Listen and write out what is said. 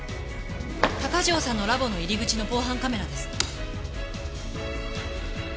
鷹城さんのラボの入り口の防犯カメラです。